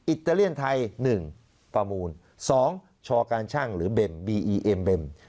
อิตาเลียนไทยหนึ่งประมูลสองชอการชั่งหรือเบมเบม